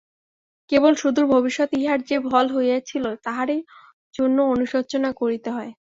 কেবল সুদূর ভবিষ্যতে ইহার যে ফল হইয়াছিল, তাহারই জন্য অনুশোচনা করিতে হয়।